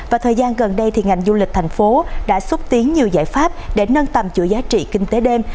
và thời gian gần đây ngành du lịch thành phố đã xúc tiến nhiều giải pháp để nâng tầm chữa giá trị kinh tế đêm